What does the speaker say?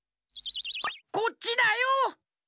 こっちだよ。